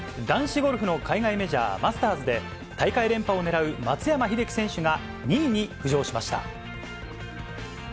男子ゴルフの海外メジャー、マスターズで、大会連覇を狙う松山英樹選手が２位に浮上しました。